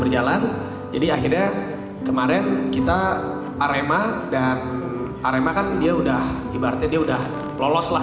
berjalan jadi akhirnya kemarin kita arema dan arema kan dia udah ibaratnya dia udah lolos lah